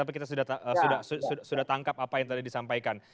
tapi kita sudah tangkap apa yang tadi disampaikan